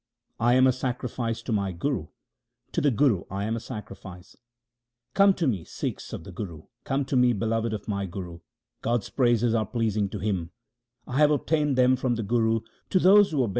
I am a sacrifice to my Guru ; to the Guru I am a sacrifice. Come to me, Sikhs of the Guru ; come to me, beloved of my Guru. God's praises are pleasing to Him ; I have obtained them from the Guru.